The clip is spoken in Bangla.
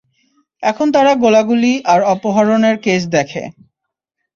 এখন তারা গোলাগুলি আর অপহরণের কেস দেখে।